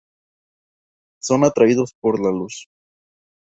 Son atraídos por la luz.